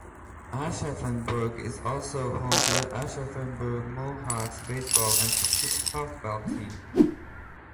Aschaffenburg is also home to the Aschaffenburg Mohawks Baseball and Softball team.